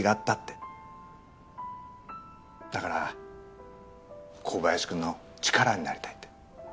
だから小林くんの力になりたいって。